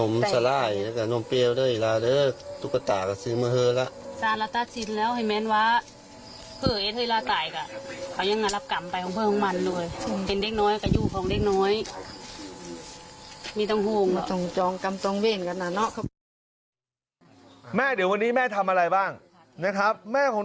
แม่เดี๋ยววันนี้แม่ทำอะไรบ้างนะครับแม่ของ